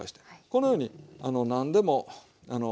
このように何でも。